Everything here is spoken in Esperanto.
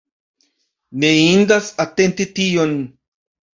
Ne indas atenti tion.